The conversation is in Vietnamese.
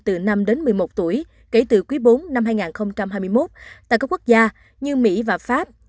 từ năm đến một mươi một tuổi kể từ quý bốn năm hai nghìn hai mươi một tại các quốc gia như mỹ và pháp